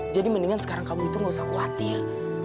jadi mendingan sekarang kamu itu nggak usah khawatir